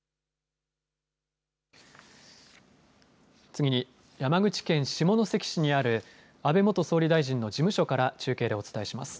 次に、山口県下関市にある安倍元総理大臣の事務所から中継でお伝えします。